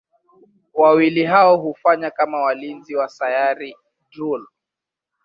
Wawili hao hufanya kama walinzi wa Sayari Drool.